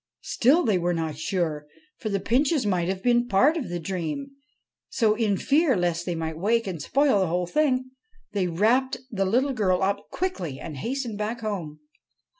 Still they were not sure, for the pinches might have been a part of the dream. So, in fear lest they might wake and spoil the whole thing, they wrapped the little girl up quickly and hastened back home.